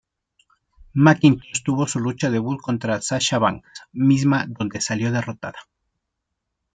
McIntosh tuvo su lucha debut contra Sasha Banks, misma donde salió derrotada.